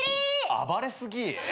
暴れすぎ。